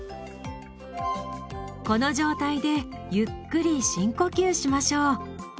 この状態でゆっくり深呼吸しましょう。